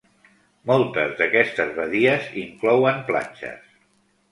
Moltes d'aquestes badies inclouen platges.